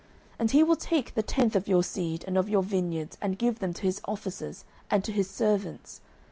09:008:015 And he will take the tenth of your seed, and of your vineyards, and give to his officers, and to his servants.